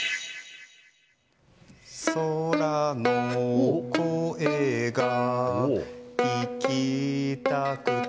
空の声が聴きたくて。